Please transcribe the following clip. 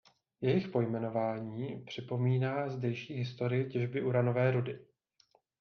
Jejich pojmenování připomíná zdejší historii těžby uranové rudy.